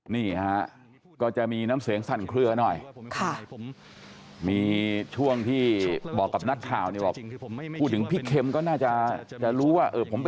มันก็ไม่เกี่ยวหรอกใช่ไหม